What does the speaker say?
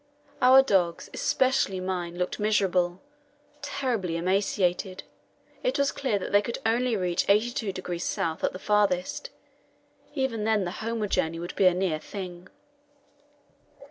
Our dogs, especially mine, looked miserable terribly emaciated. It was clear that they could only reach 82° S. at the farthest. Even then the homeward journey would be a near thing.